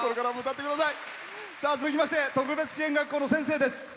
続きまして特別支援学校の先生です。